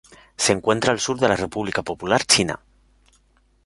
Se encuentra al sur de la República Popular China.